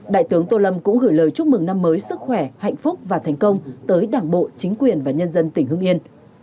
đại tướng tô lâm cũng gửi lời chúc mừng năm mới sức khỏe hạnh phúc và thành công tới đảng bộ chính quyền và nhân dân tỉnh hưng yên